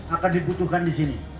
akan dibutuhkan di sini